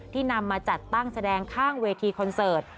นำมาจัดตั้งแสดงข้างเวทีคอนเสิร์ต